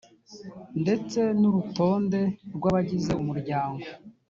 ndetse n urutonde rw abagize umuryango